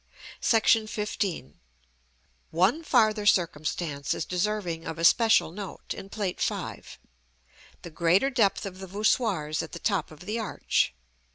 § XV. One farther circumstance is deserving of especial note in Plate V., the greater depth of the voussoirs at the top of the arch.